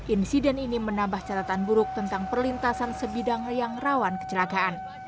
insiden ini menambah catatan buruk tentang perlintasan sebidang yang rawan kecelakaan